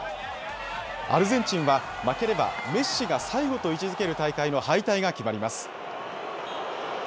アルゼンチンは負ければメッシが最後と位置づける大会の敗退が決まります。